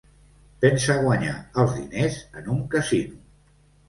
Pensa guanyar els diners en un casino.